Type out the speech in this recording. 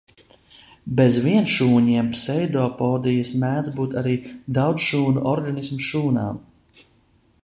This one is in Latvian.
Bez vienšūņiem pseidopodijas mēdz būt arī daudzšūnu organismu šūnām.